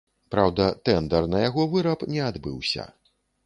Праўда, тэндар на яго выраб не адбыўся.